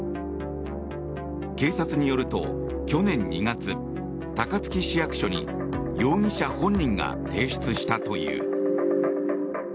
警察によると去年２月高槻市役所に容疑者本人が提出したという。